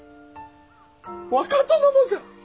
若殿もじゃ！